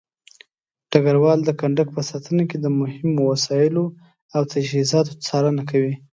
ډګروال د کندک په ساتنه کې د مهمو وسایلو او تجهيزاتو څارنه کوي.